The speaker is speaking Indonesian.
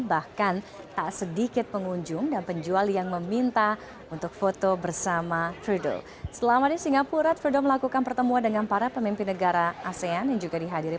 bahkan tak sedikit pengunjung dan penjual makanan ini juga terlihat gembira melihat kunjungan perdana menteri kanada ini